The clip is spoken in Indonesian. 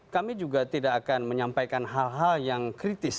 kami juga tidak akan menyampaikan hal hal yang kritis